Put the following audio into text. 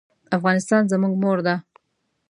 افغانستان زموږ مور ده.